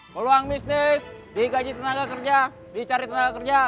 hai uang bisnis digaji tenaga kerja dicari tenaga kerja